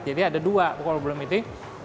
jadi ada dua problem itu